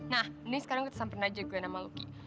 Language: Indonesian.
nah ini sekarang kita samperin aja glenn sama lucky